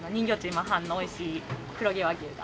今半のおいしい黒毛和牛が。